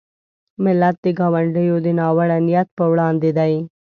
ملت د ګاونډیو د ناوړه نیت په وړاندې دی.